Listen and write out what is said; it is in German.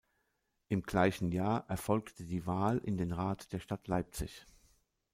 Im gleichen Jahr erfolgte die Wahl in den Rat der Stadt Leipzig.